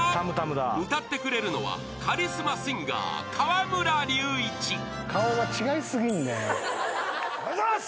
［歌ってくれるのはカリスマシンガー河村隆一］お願いします！